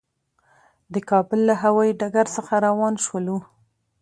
د کابل له هوایي ډګر څخه روان شولو.